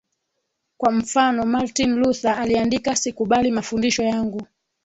Kwa mfano Martin Luther aliandika Sikubali mafundisho yangu